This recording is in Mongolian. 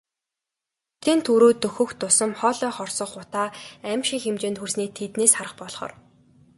Хотын төв рүү дөхөх тусам хоолой хорсгох утаа гамшгийн хэмжээнд хүрснийг тэндээс харж болохоор.